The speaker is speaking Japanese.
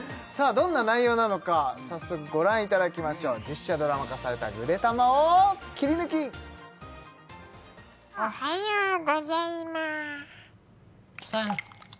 どんな内容なのか早速ご覧いただきましょう実写ドラマ化された「ぐでたま」をキリヌキおはようございません